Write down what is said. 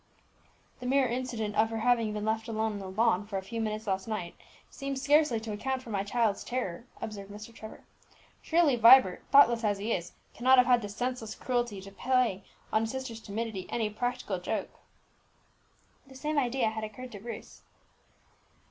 "The mere incident of her having been left alone on the lawn for a few minutes last night seems scarcely to account for my child's terror," observed Mr. Trevor. "Surely Vibert, thoughtless as he is, cannot have had the senseless cruelty to play on his sister's timidity any practical joke." The same idea had occurred, to Bruce.